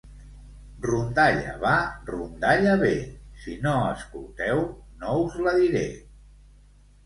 Rondalla va, rondalla ve, si no escolteu, no us la diré.